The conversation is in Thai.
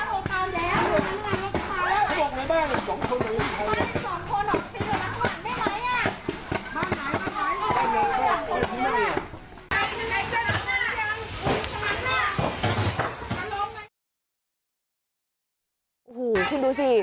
โอ้โหขึ้นดูสิ